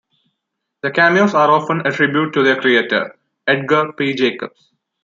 The cameos are often a tribute to their creator, Edgar P. Jacobs.